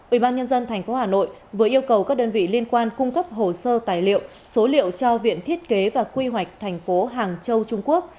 ủy ban nhân dân tp hà nội vừa yêu cầu các đơn vị liên quan cung cấp hồ sơ tài liệu số liệu cho viện thiết kế và quy hoạch tp hàng châu trung quốc